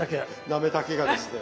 なめたけがですね